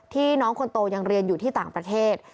น้องคนโตยังเรียนอยู่ที่ต่างประเทศ